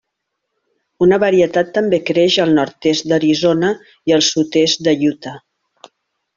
Una varietat també creix al nord-est d'Arizona i el sud-est de Utah.